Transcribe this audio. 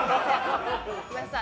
ごめんなさい。